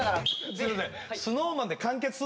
すいません。